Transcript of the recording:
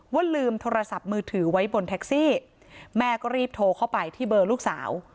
ว่าลืมโทรศัพท์มือถือไว้บนแท็กซี่แม่ก็รีบโทรเข้าไปที่เบอร์ลูกสาว